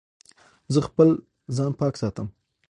زه خپل ځان پاک ساتم.